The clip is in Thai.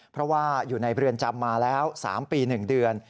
เพราะว่าอยู่ในเรือนจำมาแล้ว๓ปี๑เดือน